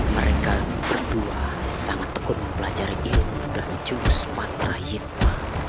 mereka berdua sangat tekun mempelajari ilmu dan jurus patra yitma